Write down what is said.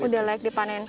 udah layak dipanen